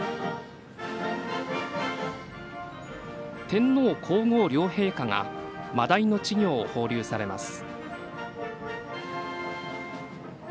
天皇皇后両陛下がマダイの稚魚を放流されます。